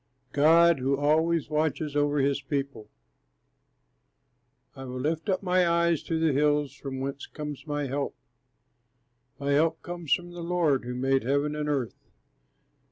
GOD WHO ALWAYS WATCHES OVER HIS PEOPLE I will lift up my eyes to the hills; from whence comes my help? My help comes from the Lord, who made heaven and earth.